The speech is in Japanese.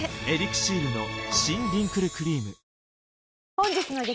本日の激